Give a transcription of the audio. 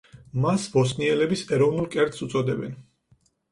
მას ბოსნიელების ეროვნულ კერძს უწოდებენ.